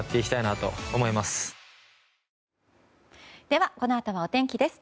では、このあとはお天気です。